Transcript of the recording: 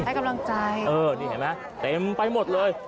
ให้กำลังใจเออนี่เห็นไหมเต็มไปหมดเลย